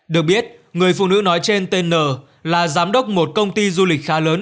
được biết người phụ nữ nói trên tên n là giám đốc một công ty du lịch khá lớn